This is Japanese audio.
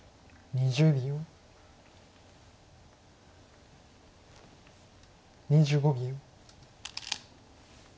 ２５秒。